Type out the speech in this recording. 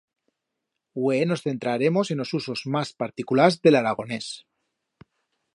Hue nos centraremos en os usos mas particulars de l'aragonés.